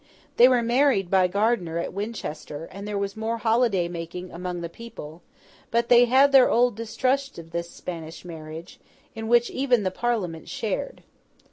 They were married by Gardiner, at Winchester, and there was more holiday making among the people; but they had their old distrust of this Spanish marriage, in which even the Parliament shared.